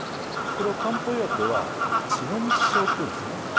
これを漢方医学では血の道症っていうんですね。